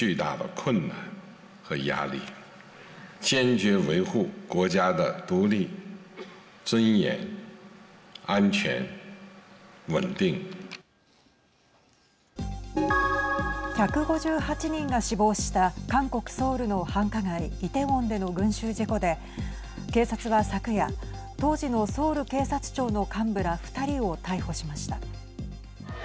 １５８人が死亡した韓国ソウルの繁華街イテウォンでの群集事故で警察は昨夜当時のソウル警察庁の幹部ら２人を逮捕しました。